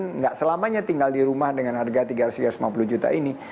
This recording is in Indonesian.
tidak selamanya tinggal di rumah dengan harga rp tiga ratus lima puluh juta ini